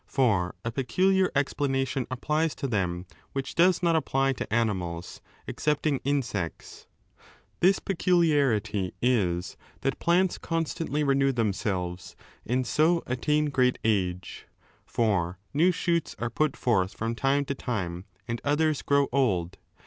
For a peculiar explan ation applies to them which does not apply to animals, excepting insects. This peculiarity is that plants con stantly renew themselves and so attain great age. For new shoots are put forth from time to time and others grow old.